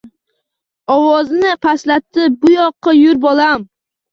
Ovozini pastlatib Bu yoqqa yur, bolam